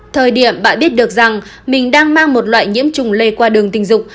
thời điểm bạn biết được rằng mình đang mang một loại nhiễm trùng lây qua đường tình dục